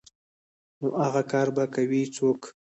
نو اغه کار به کوي څوک.